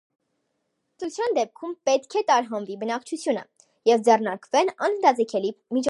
Անհրաժեշտության դեպքում պետք է տարհանվի բնակչությունը, և ձեռնարկվեն անհետաձգելի միջոցառումներ։